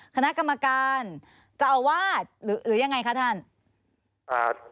คณะกรรมการเจ้าวาดหรือหรือยังไงคะท่านอ่า